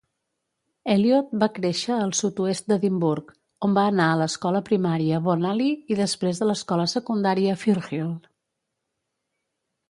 Elliot va créixer al sud-oest d"Edimburg, on va anar a l"escola primària Bonaly i després a l"escola secundària Firrhill.